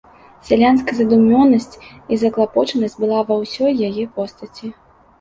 Сялянская задумёнасць і заклапочанасць была ва ўсёй яе постаці.